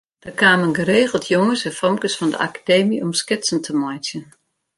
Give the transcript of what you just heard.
Der kamen geregeld jonges en famkes fan de Akademy om sketsen te meitsjen.